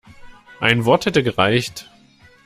Ein Wort hätte gereicht.